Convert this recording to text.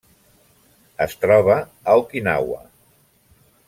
Es troba a Okinawa.